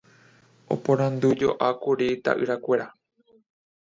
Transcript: oporandujoákuri ita'yrakuéra